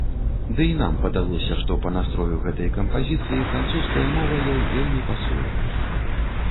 Ды і нам падалося, што па настрою гэтай кампазіцыі французская мова ёй вельмі пасуе.